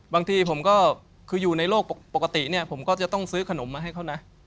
บางทีผมก็คืออยู่ในโลกปกติเนี่ยผมก็จะต้องซื้อขนมมาให้เขานะ